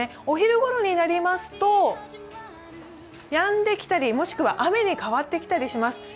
お昼ごろになりますとやんできたりもしくは雨に変わってきたりします